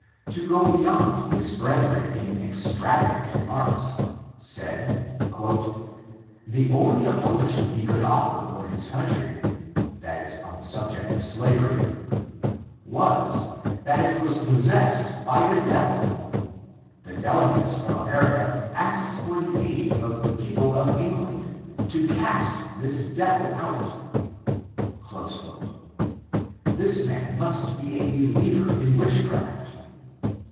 371 to go beyond his brethren in extravagant remarks, said, The only apology he could offer for his coun try (on the subject of slavery) was, that it was pos sessed by the devil. The delegates from America asked for the aid of the people of England, to cast this devil out." This man must be a believer in witchcraft.